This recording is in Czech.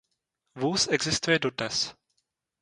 Vůz existuje dodnes.